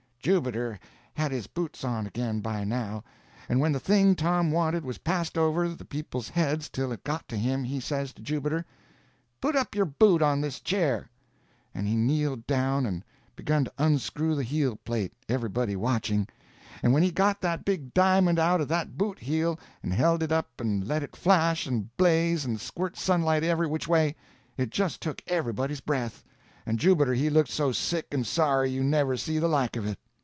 Jubiter had his boots on again, by now, and when the thing Tom wanted was passed over the people's heads till it got to him, he says to Jubiter: "Put up your foot on this chair." And he kneeled down and begun to unscrew the heel plate, everybody watching; and when he got that big di'mond out of that boot heel and held it up and let it flash and blaze and squirt sunlight everwhichaway, it just took everybody's breath; and Jubiter he looked so sick and sorry you never see the like of it.